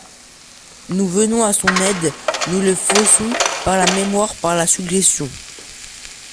Nous venons à son aide, nous le faussons par la mémoire, par la suggestion.